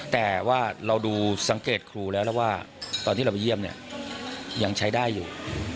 แต่ว่าเราดูสังเกตครูแล้วแล้วว่าตอนที่เราไปเยี่ยมเนี่ยยังใช้ได้อยู่